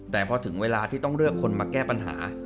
แต่พอถึงเวลาที่ต้องเลือกคนมาแก้ปัญหา